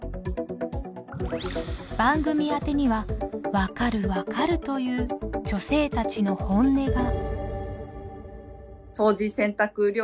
番組宛てには「分かる分かる」という女性たちの本音が。